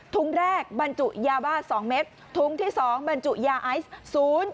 ถุงแรกบรรจุยาว่าสองเม็ดถุงที่สองบรรจุยาไอศ์ศูนย์